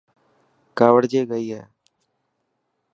ڪاوڙجي گئي هي.